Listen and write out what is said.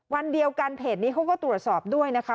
วันเดียวกันเพจนี้เขาก็ตรวจสอบด้วยนะคะ